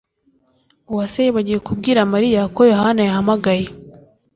Uwase yibagiwe kubwira Mariya ko Yohana yahamagaye